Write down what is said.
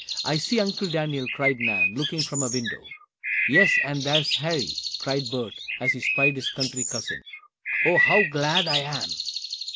"I see Uncle Daniel!" cried Nan, looking from a window. "Yes, and there's Harry!" cried Bert, as he spied his country cousin. "Oh, how glad I am!"